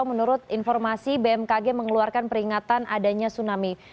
menurut informasi bmkg mengeluarkan peringatan adanya tsunami